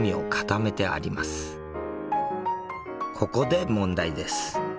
ここで問題です。